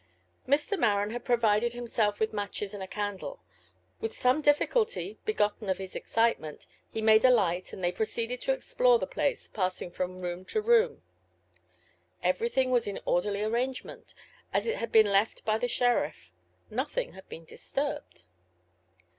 Mr. Maren had provided himself with matches and a candle. With some difficulty, begotten of his excitement, he made a light, and they proceeded to explore the place, passing from room to room. Everything was in orderly arrangement, as it had been left by the sheriff; nothing had been disturbed.